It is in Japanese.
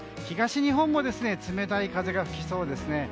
東日本も冷たい風が吹きそうです。